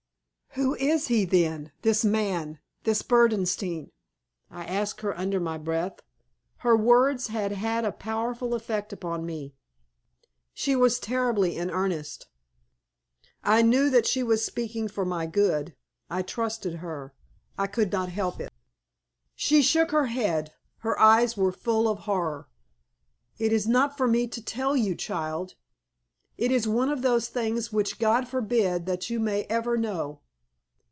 "Who is he, then, this man, this Berdenstein?" I asked her under my breath. Her words had had a powerful effect upon me. She was terribly in earnest. I knew that she was speaking for my good. I trusted her. I could not help it. She shook her head. Her eyes were full of horror. "It is not for me to tell you, child. It is one of those things which God forbid that you may ever know."